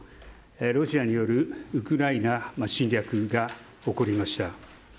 ロシアによるウクライナ侵略が起こりました。